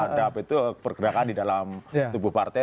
terhadap itu pergerakan di dalam tubuh partai